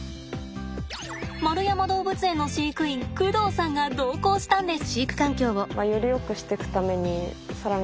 円山動物園の飼育員工藤さんが同行したんです。